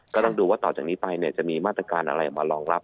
ก็ต้องดูว่าต่อจากนี้ไปจะมีมาตรการอะไรออกมารองรับ